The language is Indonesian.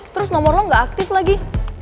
terus nomor lo gak aktif lagi